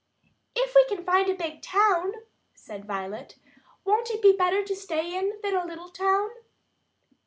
"If we can find a big town," said Violet, "won't it be better to stay in than a little town?"